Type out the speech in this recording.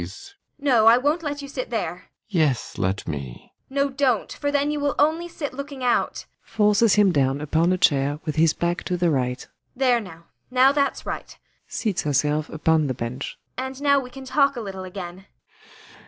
] Well, well as you please. ASTA. No, I won't let you sit there. ALLMERS. Yes, let me. ASTA. No, don't. For then you will only sit looking out [Forces him down upon a chair, with his back to the right.] There now. Now that's right. [Seats herself upon the bench.] And now we can talk a little again.